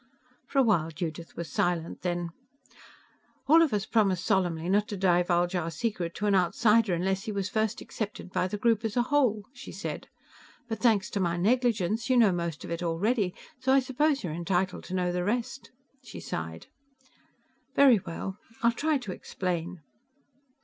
For a while Judith was silent. Then, "All of us promised solemnly not to divulge our secret to an outsider unless he was first accepted by the group as a whole," she said. "But thanks to my negligence, you know most of it already, so I suppose you're entitled to know the rest." She sighed. "Very well I'll try to explain...."